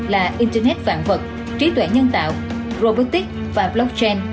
là internet vạn vật trí tuệ nhân tạo robotics và blockchain